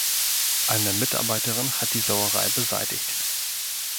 Eine Mitarbeiterin hat die Sauerei beseitigt.